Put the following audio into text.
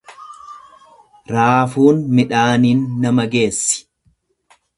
Raafuun midhaaniin nama geessi.